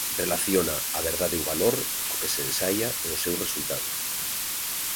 Relaciona a verdade ou valor co que se ensaia e o seu resultado.